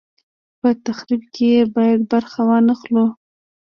په تخریب کې یې باید برخه وانه خلو.